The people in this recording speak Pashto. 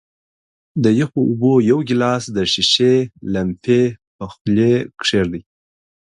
د یخو اوبو یو ګیلاس د ښيښې لمپې په خولې کیږدئ.